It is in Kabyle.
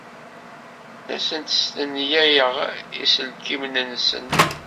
Ur asent-stenyayeɣ iselkinen-nsent.